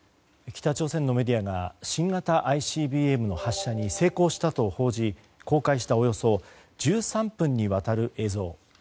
北朝鮮のメディアが新型ＩＣＢＭの発射に成功したと報じ、公開したおよそ１３分にわたる映像。